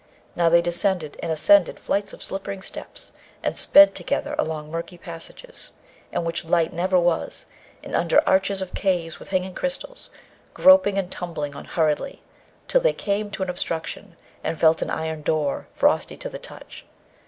Now, they descended and ascended flights of slippery steps, and sped together along murky passages, in which light never was, and under arches of caves with hanging crystals, groping and tumbling on hurriedly, till they came to an obstruction, and felt an iron door, frosty to the touch.